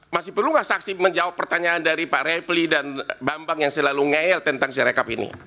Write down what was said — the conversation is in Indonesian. masih perlu nggak saksi menjawab pertanyaan dari pak refli dan bambang yang selalu ngeyel tentang sirekap ini